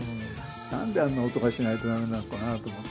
何であんな音がしないと駄目なのかなと思って。